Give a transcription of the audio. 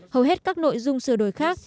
hầu hết các nội dung sửa đổi khác